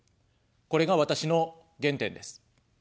これが私の原点です。